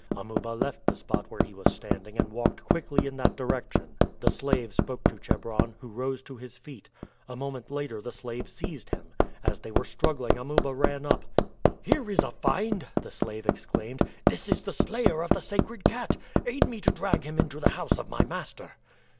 Amuba left the spot where he was standing and walked quickly in that direction. The slave spoke to Chebron, who rose to his feet. A moment later the slave seized him. As they were struggling Amuba ran up. "Here is a find!" the slave exclaimed. "This is the slayer of the sacred cat. Aid me to drag him into the house of my master."